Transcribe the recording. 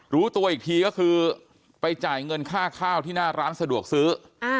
รู้ตัวอีกทีก็คือไปจ่ายเงินค่าข้าวที่หน้าร้านสะดวกซื้อ